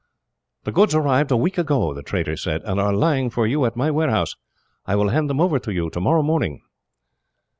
"The goods arrived a week ago," the trader said, "and are lying for you at my warehouse. I will hand them over to you, tomorrow morning."